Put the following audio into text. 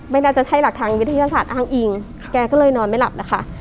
ไม่น่าจะใช่หลักทางวิทยาศาสตร์อ้างอิงแกก็เลยนอนไม่หลับแล้วค่ะ